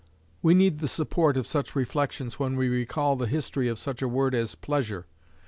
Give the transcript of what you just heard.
We need the support of such reflections when we recall the history of such a word as "pleasure."